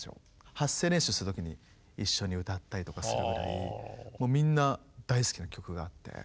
発声練習した時に一緒に歌ったりとかするぐらいもうみんな大好きな曲があって。